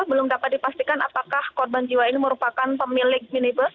belum dapat dipastikan apakah korban jiwa ini merupakan pemilik minibus